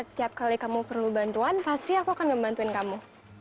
setiap kali kamu perlu bantuan pasti aku akan membantuin kamu